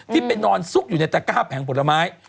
ไปนอนซุกอยู่ในตะก้าแผงผลไม้